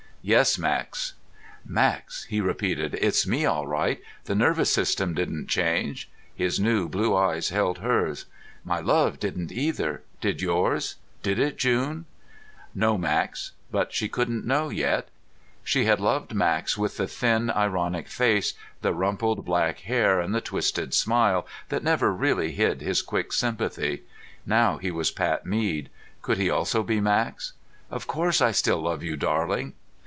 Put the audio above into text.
"Yes, Max." "Max," he repeated. "It's me, all right. The nervous system didn't change." His new blue eyes held hers. "My love didn't, either. Did yours? Did it, June?" "No, Max." But she couldn't know yet. She had loved Max with the thin, ironic face, the rumpled black hair and the twisted smile that never really hid his quick sympathy. Now he was Pat Mead. Could he also be Max? "Of course I still love you, darling."